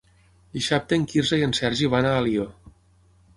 Dissabte en Quirze i en Sergi van a Alió.